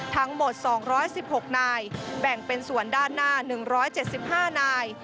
ทั้งหมด๒๑๖นายแบ่งเป็นส่วนด้านหน้า๑๗๕นาย